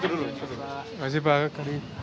terima kasih pak